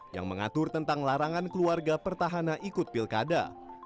yang mengatur tentang larangan keluarga pertahanan ikut pilkada